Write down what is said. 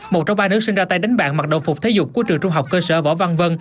một trong ba nữ sinh ra tay đánh bạn mặc đồng phục thể dục của trường trung học cơ sở võ văn vân